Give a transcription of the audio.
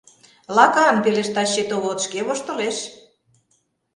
— Лакан, — пелешта счетовод, шке воштылеш.